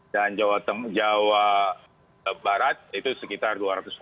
dan jawa barat itu sekitar dua ratus enam puluh delapan